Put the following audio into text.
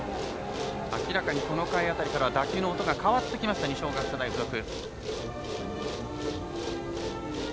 明らかに、この回あたりから打球の音が変わってきました二松学舎大付属。